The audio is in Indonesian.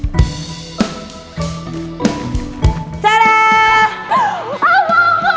gue tuh kelewatan tau pre ordernya gara gara gue sibuk menggalau